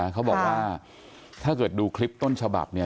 เขาบอกว่าถ้าเกิดดูคลิปต้นฉบับเนี่ย